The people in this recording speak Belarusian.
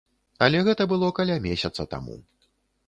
Але гэта было каля месяца таму.